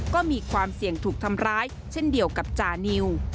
ก็มีความเสี่ยงถูกทำร้ายเช่นเดียวกับจานิว